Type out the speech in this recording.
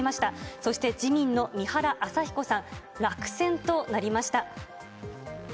そして自民の三原朝彦さん、落選となりました。